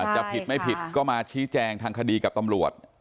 จะผิดไม่ผิดก็มาชี้แจงทางคดีกับตำรวจ